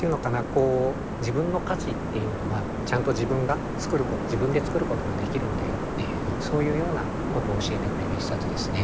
こう「自分の価値っていうのはちゃんと自分でつくることができるんだよ」っていうそういうようなことを教えてくれる一冊ですね。